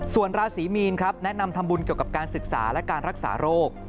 ส่วนราศีมีนครับแนะนำทำบุญเกี่ยวกับการศึกษาและการรักษาโรค